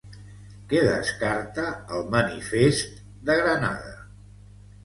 Què descarta el manifest de Granada?